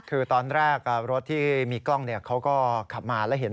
คือตอนแรกรถที่มีกล้องเขาก็ขับมาแล้วเห็น